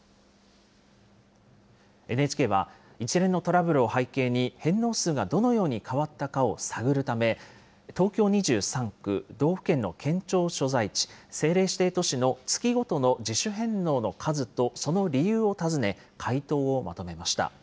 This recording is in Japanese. ＮＨＫは、一連のトラブルを背景に、返納数がどのように変わったかを探るため、東京２３区、道府県の県庁所在地、政令指定都市の月ごとの自主返納の数とその理由を尋ね、回答をまとめました。